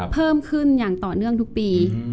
เพิ่มขึ้นอย่างต่อเนื่องทุกปี